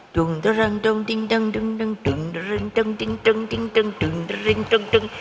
dung dung dung dung dung dung dung